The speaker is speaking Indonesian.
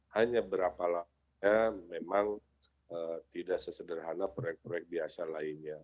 hanya berapa lamanya memang tidak sesederhana proyek proyek biasa lainnya